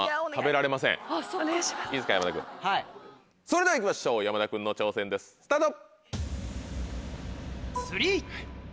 それでは行きましょう山田君の挑戦ですスタート！